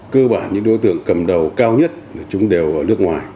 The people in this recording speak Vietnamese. cơ bản những đối tượng cầm đầu cao nhất chúng đều ở nước ngoài